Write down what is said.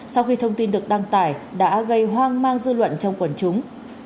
sau khi thông tin được đăng tải đã gây hoang mang dư luận trong quần chúng